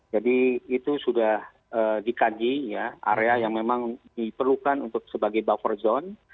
jadi itu sudah dikaji ya area yang memang diperlukan untuk sebagai buffer zone